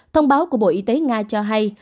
thông báo của bộ y tế nga cho hay